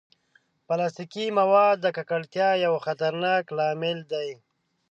پلاستيکي مواد د ککړتیا یو خطرناک لامل دي.